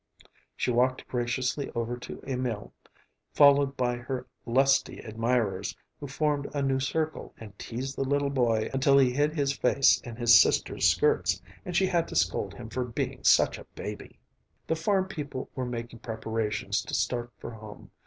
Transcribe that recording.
She walked graciously over to Emil, followed by her lusty admirers, who formed a new circle and teased the little boy until he hid his face in his sister's skirts, and she had to scold him for being such a baby. The farm people were making preparations to start for home.